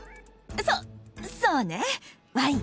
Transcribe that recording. そそうねワイン！